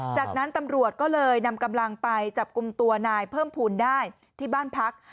จากนั้นตำรวจก็เลยนำกำลังไปจับกลุ่มตัวนายเพิ่มภูมิได้ที่บ้านพัก